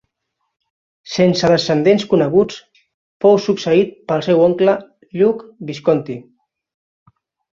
Sense descendents coneguts fou succeït pel seu oncle Lluc Visconti.